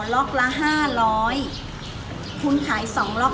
หนูบอกว่าใครจะไหวละครับ